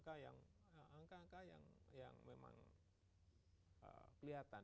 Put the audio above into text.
saya kira itu angka angka yang memang kelihatan